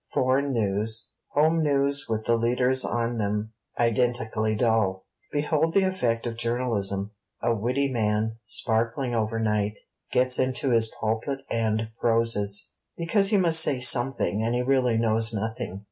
Foreign news. Home news, with the leaders on them, identically dull. Behold the effect of Journalism: a witty man, sparkling overnight, gets into his pulpit and proses; because he must say something, and he really knows nothing.